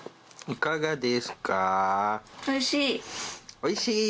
おいしい！